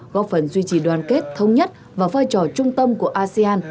góp phần duy trì đoàn kết thống nhất và vai trò trung tâm của asean